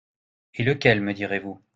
Et lequel me direz-vous ?